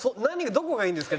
どこかいいんですか？